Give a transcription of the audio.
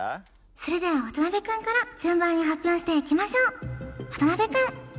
それでは渡辺くんから順番に発表していきましょう渡辺くん